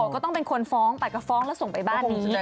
ก็ต้องเป็นคนฟ้องไปก็ฟ้องแล้วส่งไปบ้านนี้